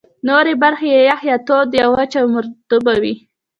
نورې برخې یا یخ، یا تود، یا وچه او مرطوبه وې.